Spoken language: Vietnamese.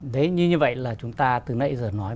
đấy như vậy là chúng ta từ nay giờ nói